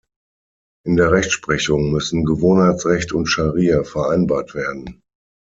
In der Rechtsprechung müssen Gewohnheitsrecht und Scharia vereinbart werden.